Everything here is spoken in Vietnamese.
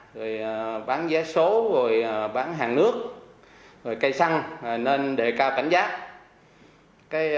rồi bán vé số rồi bán hàng nước rồi cây xăng nên đề cao cảnh giác